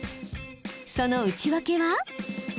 その内訳は？